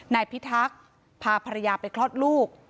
นายพิทักษ์พาภรรยาไปคลอดลูก